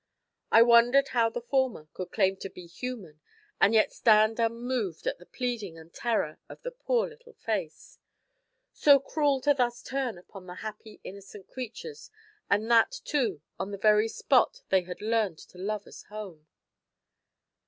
I wondered how the former could claim to be human and yet stand unmoved at the pleading and terror in the poor little face. So cruel to thus turn upon the happy, innocent creatures, and that, too, on the very spot they had learned to love as home!